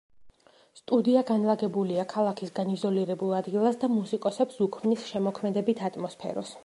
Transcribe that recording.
სტუდია განლაგებულია ქალაქისგან იზოლირებულ ადგილას და მუსიკოსებს უქმნის შემოქმედებით ატმოსფეროს.